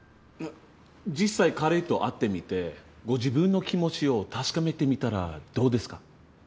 実際彼と会ってみてご自分の気持ちを確かめてみたらどうですか？